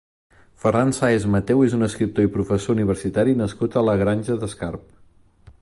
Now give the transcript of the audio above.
Ferran Sáez Mateu és un escriptor i professor universitari nascut a la Granja d'Escarp.